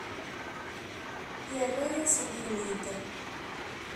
Yerra-yasen-ten-id.